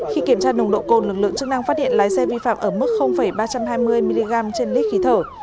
khi kiểm tra nồng độ cồn lực lượng chức năng phát hiện lái xe vi phạm ở mức ba trăm hai mươi mg trên lít khí thở